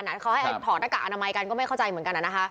เขาให้ถอดหน้ากากอนามัยกันก็ไม่เข้าใจเหมือนกัน